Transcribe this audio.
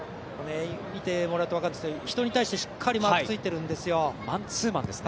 見てもらうと分かるんですけど、人に対して、しっかり巻き付いているんですよ。